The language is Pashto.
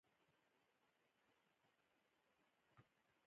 د جوړونې فکر او منطقوي اتصال ته اړ دی.